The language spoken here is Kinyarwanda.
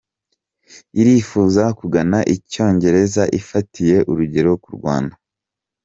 irifuza kugana Icyongereza ifatiye urugero k’u Rwanda